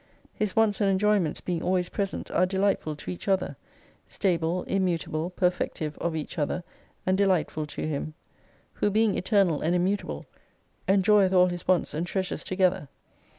His wants and enjoyments being always present are delightful to each other, stable, immutable, perfec tive of each other, and delightful to Him. Who being Eternal and Immutable, enjoyeth all His wants and treasures together.